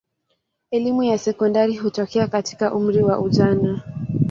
Elimu ya sekondari hutokea katika umri wa ujana.